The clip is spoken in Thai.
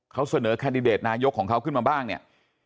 เขาเสนอแคนดิเดตนายกของเขาขึ้นมาบ้างเนี่ย